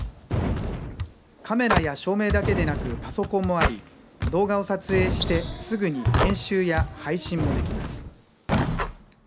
カメラや照明だけでなくパソコンもあり動画を撮影してすぐに編集や配信もできます。